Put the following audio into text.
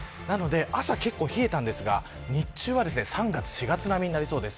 朝は結構冷えましたが日中は３月、４月並みになりそうです。